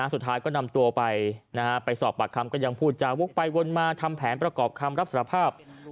สุดท้ายก็นำตัวไปไปสอบปากคำก็ยังพูดจาวกไปวนมาทำแผนประกอบคำรับสารภาพ